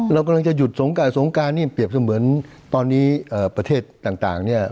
เรากำลังจะหยุดศงการเดี๋ยวจะเหมือนตอนนี้ประเทศต่างเนี่ย